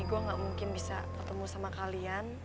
gue gak mungkin bisa ketemu sama kalian